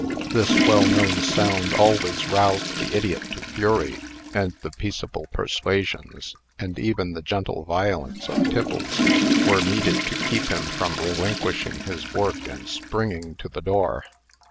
This well known sound always roused the idiot to fury; and the peaceable persuasions, and even the gentle violence of Tiffles, were needed to keep him from relinquishing his work and springing to the door.